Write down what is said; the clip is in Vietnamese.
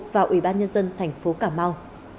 và ủy ban nhân dân tp cà mau